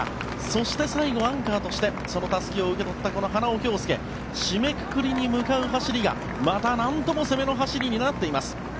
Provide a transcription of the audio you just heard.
そして、最後アンカーとしてそのたすきを受け取った花尾恭輔締めくくりに向かう走りがまたなんとも攻めの走りになっています。